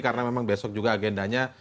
karena memang besok juga agendanya